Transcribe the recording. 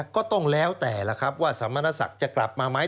ก็ต้องแล้วแต่ว่าสมณศักดิ์จะกลับมาไหม